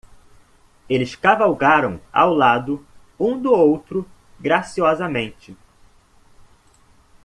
Eles cavalgaram ao lado um do outro graciosamente.